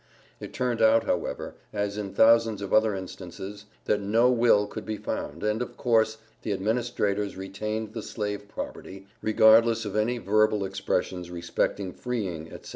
It turned out, however, as in thousands of other instances, that no will could be found, and, of course, the administrators retained the slave property, regardless of any verbal expressions respecting freeing, etc.